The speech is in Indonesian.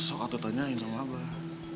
sok aku tanyain sama mbah